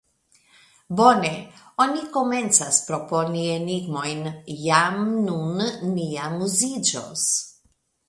Bone, oni komencas proponi enigmojn: jam nun ni amuziĝos.